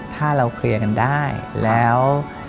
ถ้าเราเคลียร์กันได้แล้ว